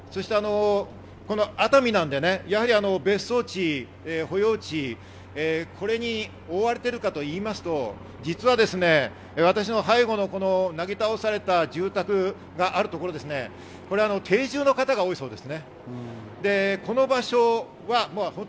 熱海なので別荘地、保養地、これに覆われているかといいますと、実は私の背後のなぎ倒された住宅があるところ、定住の方が多いそうです。